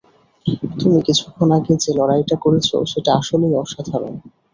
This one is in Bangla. তুমি কিছুক্ষণ আগে যে লড়াইটা করেছ, সেটা আসলেই অসাধারণ।